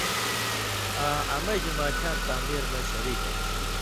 آں امَیں جُماتِھیاں تعمیر مہ شریک آن٘س